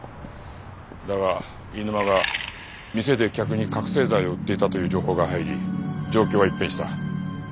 だが飯沼が店で客に覚せい剤を売っていたという情報が入り状況は一変した。